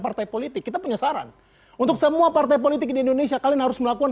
partai politik kita punya saran untuk semua partai politik di indonesia kalian harus melakukan